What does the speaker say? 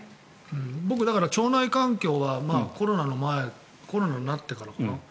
僕、だから腸内環境はコロナになってからかな？